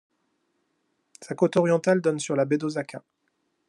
Sa côte orientale donne sur la baie d’Ōsaka.